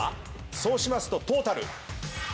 そうしますとトータル。